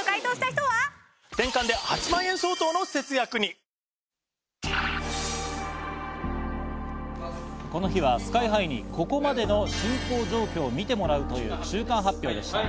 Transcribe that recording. そして歌とダンス未経験のレこの日はＳＫＹ−ＨＩにここまでの進行状況を見てもらうという中間発表でした。